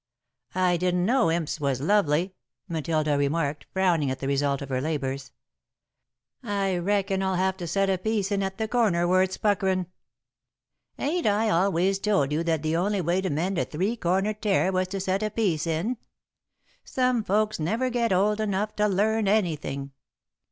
'" "I didn't know imps was lovely," Matilda remarked, frowning at the result of her labours. "I reckon I'll have to set a piece in at the corner, where it's puckerin'." "Ain't I always told you that the only way to mend a three cornered tear was to set a piece in? Some folks never get old enough to learn anything.